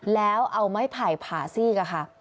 แล้วเอาไม้ไผ่ผ่าซีกค่ะ